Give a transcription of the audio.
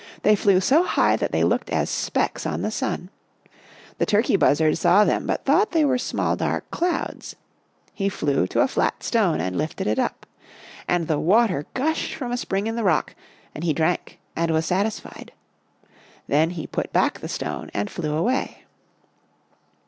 They flew so high that they looked as specks on the sun. The Turkey Buzzard saw them but thought they were small, dark clouds. He flew to a flat stone and lifted it up. And the water gushed from a spring in the rock and he drank and was satisfied. Then he put back the stone and flew away.